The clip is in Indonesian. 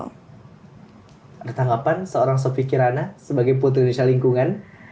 ada tanggapan seorang sopi kirana sebagai putri indonesia lingkungan